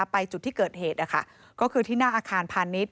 ไปจุดที่เกิดเหตุก็คือที่หน้าอาคารพาณิชย